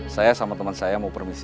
saya sama teman saya mau permisi